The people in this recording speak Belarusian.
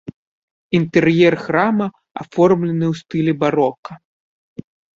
Інтэр'ер храма аформлены ў стылі барока.